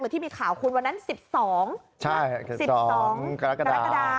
ที่มีข่าวคุณวันนั้น๑๒๑๒กรกฎา